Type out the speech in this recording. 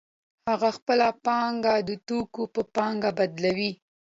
هغه خپله پانګه د توکو په پانګه بدلوي